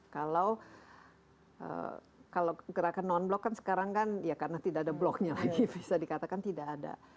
kalau gerakan non blok kan sekarang kan ya karena tidak ada bloknya lagi bisa dikatakan tidak ada